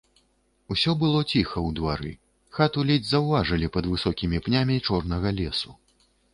Усё было ціха ў двары, хату ледзь заўважылі пад высокімі пнямі чорнага лесу.